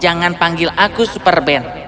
jangan panggil aku super ben